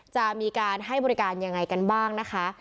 จะมีการให้บริการยังไงกันบ้างนะคะ